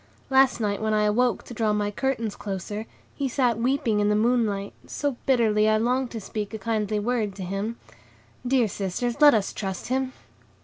Last night when I awoke to draw my curtains closer, he sat weeping in the moonlight, so bitterly, I longed to speak a kindly word to him. Dear sisters, let us trust him."